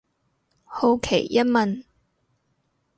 好奇一問